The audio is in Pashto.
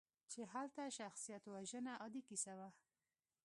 چې هلته شخصیتوژنه عادي کیسه وه.